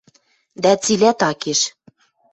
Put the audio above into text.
— Дӓ цилӓ такеш...